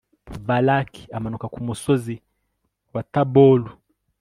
baraki amanuka ku musozi wa taboru